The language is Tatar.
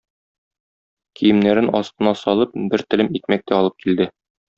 Киемнәрен астына салып, бер телем икмәк тә алып килде.